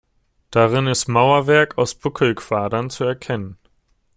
Darin ist Mauerwerk aus Buckelquadern zu erkennen.